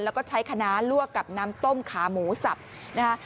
แล้วก็ใช้คณะลวกกับน้ำต้มขาหมูสับนะคะ